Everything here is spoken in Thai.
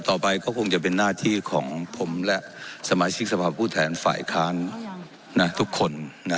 ต่อไปก็คงจะเป็นหน้าที่ของผมและสมาชิกสภาพผู้แทนฝ่ายค้านทุกคน